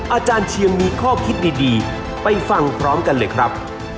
อาจารย์เชียงมีข้อคิดดีไปฟังพร้อมกันเลยครับ